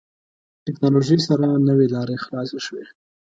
ټکنالوژي سره نوې لارې خلاصې شوې.